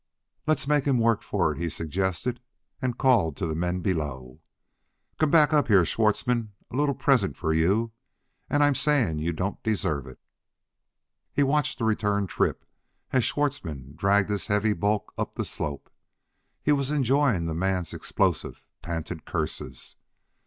"Let's make him work for it," he suggested, and called to the men below: "Come back up here, Schwartzmann! A little present for you and I'm saying you don't deserve it." He watched the return trip as Schwartzmann dragged his heavy bulk up the slope; he was enjoying the man's explosive, panted curses.